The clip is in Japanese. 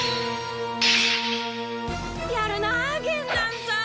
やるなあ玄南さん。